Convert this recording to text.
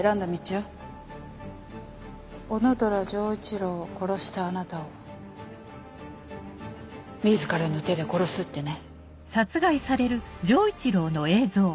男虎丈一郎を殺したあなたを自らの手で殺すってね。